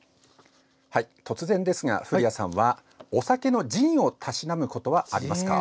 突然ですが、古谷さんはお酒のジンをたしなむことはありますか？